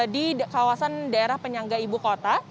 di kawasan daerah penyangga ibu kota